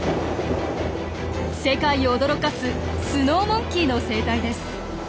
世界を驚かすスノーモンキーの生態です。